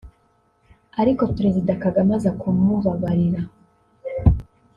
ariko Perezida Kagame aza kumubabarira